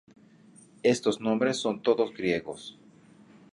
Estos nombres son todos griegos.